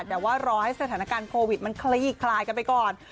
แต่ว่ารอให้สถานการณ์โควิดมันคลี่คลายกันไปก่อน